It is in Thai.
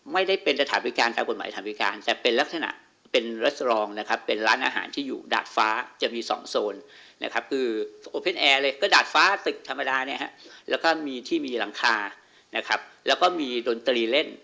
ไม่ได้เป็นตรฐานบริการใช้กฎหมายตรฐานบริการ